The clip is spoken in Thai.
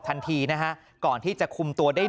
ทันทีนะฮะก่อนที่จะคุมตัวได้